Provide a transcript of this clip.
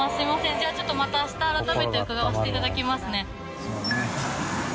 じゃあちょっと泙あした改めて伺わせていただきますね。